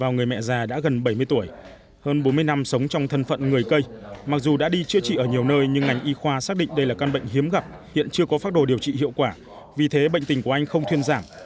nhưng chưa có phác đồ điều trị hiệu quả vì thế bệnh tình của anh không thuyên giảm